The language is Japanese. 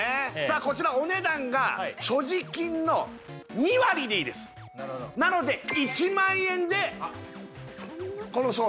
こちらお値段が所持金の２割でいいですなので１万円でそんな？